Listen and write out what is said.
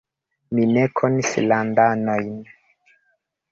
Mi ne konis landanojn.